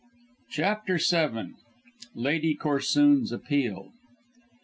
CHAPTER VII. LADY CORSOON'S APPEAL.